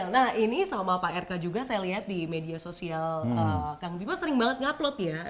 nah ini sama pak rk juga saya lihat di media sosial kang bima sering banget nge upload ya